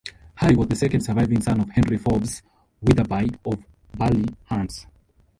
Harry was the second surviving son of Henry Forbes Witherby of Burley, Hants.